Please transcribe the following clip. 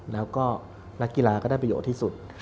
แล้วก็นักกีฬาก็ได้ประโยชน์ที่สุด